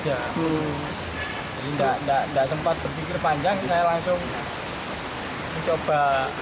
tidak sempat berpikir panjang saya langsung mencoba